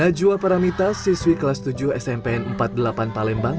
najwa paramita siswi kelas tujuh smpn empat puluh delapan palembang